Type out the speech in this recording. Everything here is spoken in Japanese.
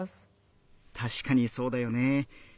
たしかにそうだよね。